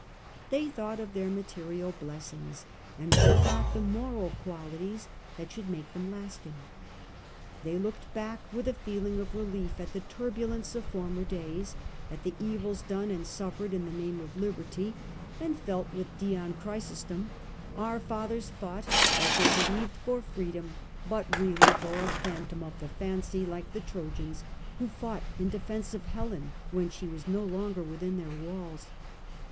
They thought of their material blessings, and forgot the moral qualities that should make them lasting. They looked back with a feeling of relief at the turbulence of former days, at the evils done and suffered in the name of liberty, and felt with Dion Chrysostom, ' Our fathers fought, as they be lieved, for freedom, but really for a phantom of the fancy, like the Trojans who fought in defence of Helen when she was no longer within their walls.